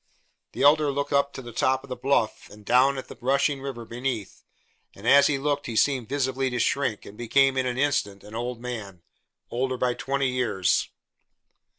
The Elder looked up to the top of the bluff and down at the rushing river beneath, and as he looked he seemed visibly to shrink and become in the instant an old man older by twenty years.